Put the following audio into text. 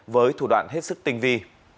với thủ đoạn hết sức tình vi